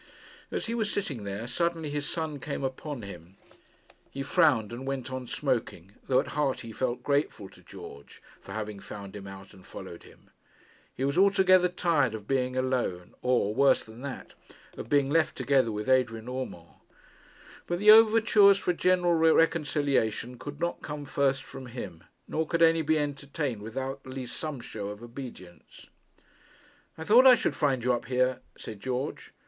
As he was sitting there, suddenly his son came upon him. He frowned and went on smoking, though at heart he felt grateful to George for having found him out and followed him. He was altogether tired of being alone, or, worse than that, of being left together with Adrian Urmand. But the overtures for a general reconciliation could not come first from him, nor could any be entertained without at least some show of obedience. 'I thought I should find you up here,' said George.